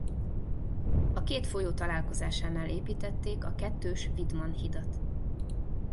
A két folyó találkozásánál építették a kettős Widman-hidat.